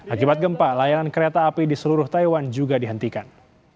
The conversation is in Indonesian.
akibat gempa layanan kereta api di seluruh taiwan juga dihentikan